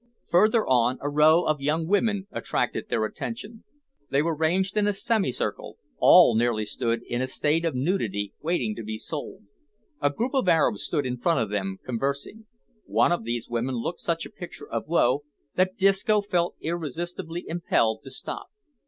Further on, a row of young women attracted their attention. They were ranged in a semicircle, all nearly in a state of nudity, waiting to be sold. A group of Arabs stood in front of them, conversing. One of these women looked such a picture of woe that Disco felt irresistibly impelled to stop.